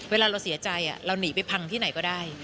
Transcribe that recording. เวลาเราเสียใจเราหนีไปพังที่ไหนก็ได้